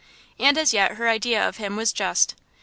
And as yet her idea of him was just.